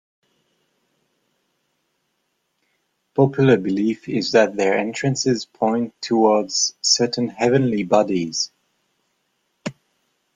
Popular belief is that their entrances point towards certain heavenly bodies.